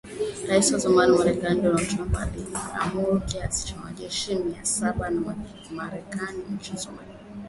Rais wa zamani Marekani Donald Trump aliamuru kiasi cha wanajeshi mia saba wa Marekani nchini Somalia kuondoka mara moja!!